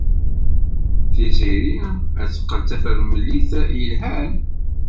Tiziri ad teqqel d tafremlit yelhan.